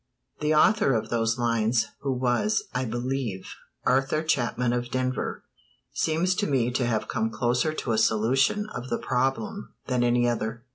The author of those lines, who was, I believe, Arthur Chapman of Denver, seems to me to have come closer to a solution of the problem than any other.